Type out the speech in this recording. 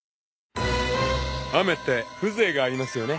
［雨って風情がありますよね］